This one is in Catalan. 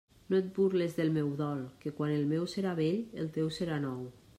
No et burles del meu dol, que quan el meu serà vell, el teu serà nou.